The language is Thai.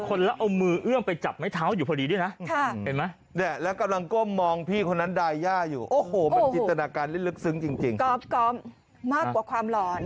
ภาพเมื่อสักครู่คุณตีเป็นเลขได้ไหม